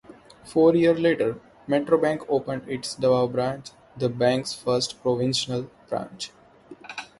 Four years later, Metrobank opened its Davao branch, the bank's first provincial branch.